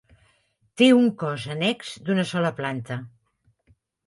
Té un cos annex d'una sola planta.